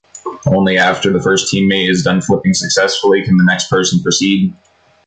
Only after the first teammate is done flipping successfully can the next person proceed.